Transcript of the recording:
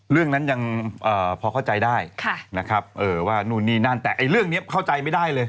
เรื่องนั้นยังพอเข้าใจได้นะครับว่านู่นนี่นั่นแต่เรื่องนี้เข้าใจไม่ได้เลย